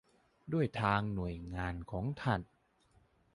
ด้วยทางหน่วยงานของท่าน